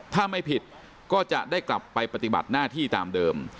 ถ้าไม่ผิดก็จะได้กลับไปปฏิบัติหน้าที่ตามเดิม